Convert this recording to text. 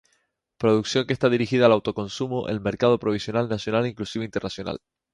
Producción que está dirigida al auto consumo, al mercado provincial, nacional e inclusive internacional.